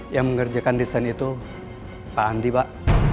yang mengerjakan desain itu pak andi pak